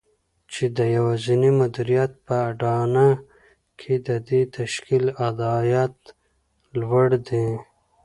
چې د يوازېني مديريت په اډانه کې د دې تشکيل عايدات لوړ دي.